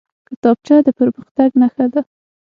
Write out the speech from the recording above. کتابچه د پرمختګ نښه ده